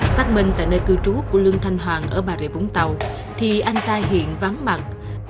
xác minh tại nơi cư trú của lương thanh hoàng ở bà rịa vũng tàu thì anh ta hiện vắng mặt